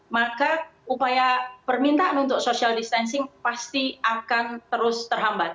maka upaya permintaan untuk social distancing pasti akan terus terhambat